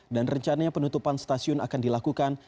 dan rencananya penutupan stasiun akan dilakukan